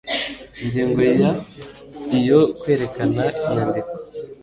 ingingo ya iyo kwerekana inyandiko